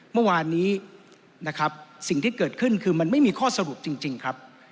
เมื่อวานนี้นะครับสิ่งที่เกิดขึ้นคือมันไม่มีข้อสรุปจริงครับ